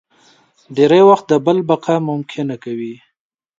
ډېری وخت د بل بقا ممکنه کوي.